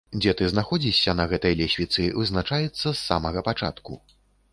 Дзе ты знаходзішся на гэтай лесвіцы, вызначаецца з самага пачатку.